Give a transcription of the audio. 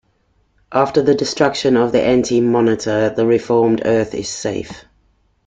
After the destruction of the Anti-Monitor, the reformed earth is safe.